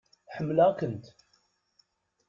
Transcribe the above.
Ḥemmleɣ-kent.